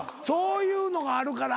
そういうのがある。